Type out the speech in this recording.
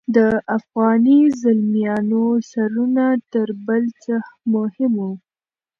د افغاني زلمیانو سرونه تر بل څه مهم وو.